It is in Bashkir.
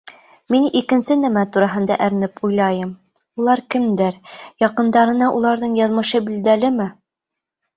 Мин икенсе нәмә тураһында әрнеп уйлайым: «Улар кемдәр, яҡындарына уларҙың яҙмышы билдәлеме?»